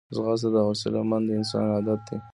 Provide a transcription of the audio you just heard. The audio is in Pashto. ځغاسته د حوصلهمند انسان عادت دی